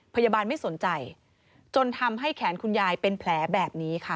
พยาบาลไม่สนใจจนทำให้แขนคุณยายเป็นแผลแบบนี้ค่ะ